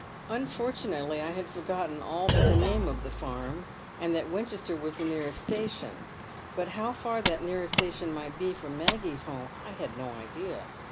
" Unfortunately, I had forgotten all but the name of the farm, and that Winchester was the nearest station, but how far that nearest station might be from Maggie's home I had no idea.